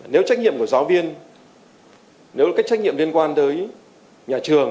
nếu trách nhiệm của giáo viên nếu trách nhiệm liên quan tới nhà trường